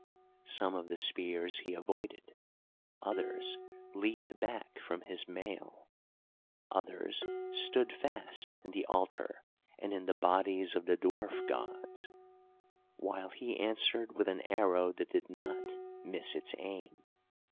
Some of the spears he avoided; others leaped back from his mail; others stood fast in the altar and in the bodies of the dwarf gods; while he answered with an arrow that did not miss its aim.